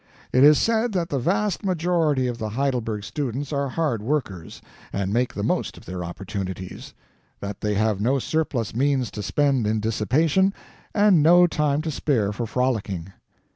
It is said that the vast majority of the Heidelberg students are hard workers, and make the most of their opportunities; that they have no surplus means to spend in dissipation, and no time to spare for frolicking.